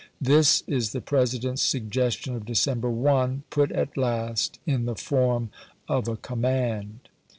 This 1862. is the President's suggestion of December 1, put at last in the form of a command.